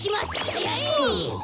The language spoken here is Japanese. はいはい！